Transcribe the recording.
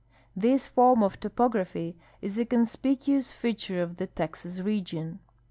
This form of topography is a conspicuous feature of the Texas region.